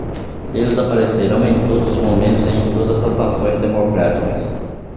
Eles aparecerão em todos os momentos e em todas as nações democráticas.